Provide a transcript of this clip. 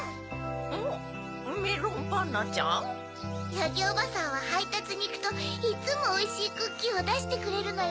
ヤギおばさんははいたつにいくといっつもおいしいクッキーをだしてくれるのよ。